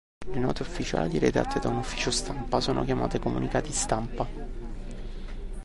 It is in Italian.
Le note ufficiali redatte da un ufficio stampa sono chiamate comunicati stampa.